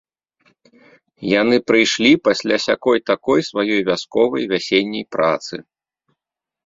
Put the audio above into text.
Яны прыйшлі пасля сякой-такой, сваёй вясковай, вясенняй працы.